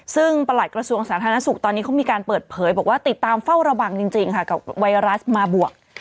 ซึ่งประหลัดกระทรวงสาธารณสุขตอนนี้เขามีการเปิดเผยบอกว่าติดตามเฝ้าระวังจริงค่ะกับไวรัสมาบวก